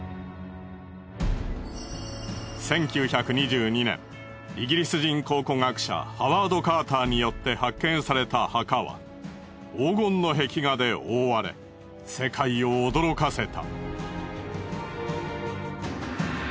１９２２年イギリス人考古学者ハワード・カーターによって発見された墓は黄金の壁画で覆われ世界を驚かせた。